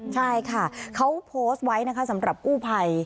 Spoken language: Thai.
ใช่ค่ะเขาโพสต์ไว้นะคะสำหรับกู้ภัย